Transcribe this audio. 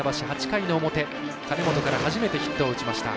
８回の表、金本から初めてヒットを打ちました。